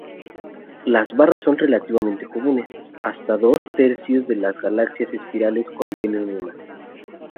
Las barras son relativamente comunes: hasta dos tercios de las galaxias espirales contienen una.